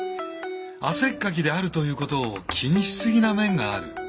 汗っかきであるということを気にしすぎな面がある。